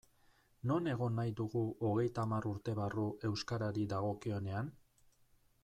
Non egon nahi dugu hogeita hamar urte barru euskarari dagokionean?